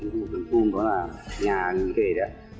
của phương phương đó là nhà kề đấy